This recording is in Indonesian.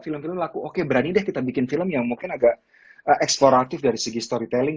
film film laku oke berani deh kita bikin film yang mungkin agak eksploratif dari segi storytelling